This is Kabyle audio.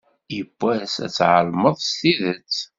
Yiwwas ad tεelmeḍ s tidet.